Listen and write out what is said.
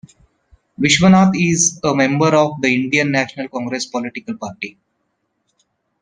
Vishwanath is a member of the Indian National Congress political party.